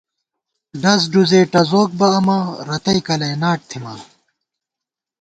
ڈز ڈُزے ٹَزوک بہ امہ ، رتئ کلئ ناٹ تھِمان